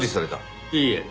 いいえ。